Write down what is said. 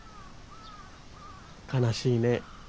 悲しいね。